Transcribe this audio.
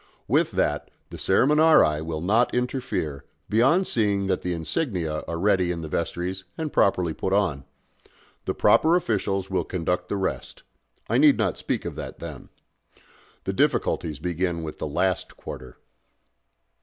With that the ceremoniarii will not interfere, beyond seeing that the insignia are ready in the vestries and properly put on. The proper officials will conduct the rest.... I need not speak of that then. The difficulties begin with the last quarter."